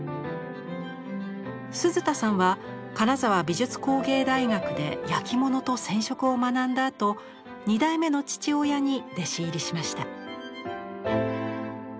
鈴田さんは金沢美術工芸大学で焼き物と染織を学んだあと２代目の父親に弟子入りしました。